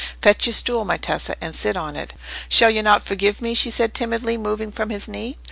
"Fetch your stool, my Tessa, and sit on it." "Shall you not forgive me?" she said, timidly, moving from his knee.